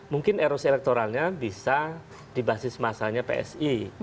mungkin erosi elektoralnya bisa dibasis masanya psi